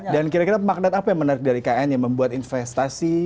dan kira kira makna apa yang menarik dari ikn yang membuat investasi